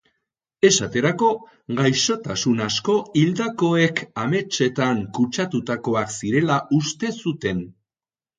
Esaterako, gaixotasun asko hildakoek ametsetan kutsatutakoak zirela uste zuten.